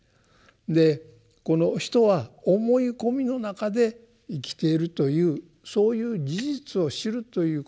でこの人は思い込みの中で生きているというそういう事実を知るということ。